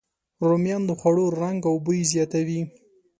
رومیان د خوړو رنګ او بوی زیاتوي